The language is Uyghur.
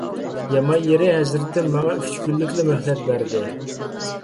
يامان يېرى، ھەزرىتىم ماڭا ئۈچ كۈنلۈكلا مۆھلەت بەردى.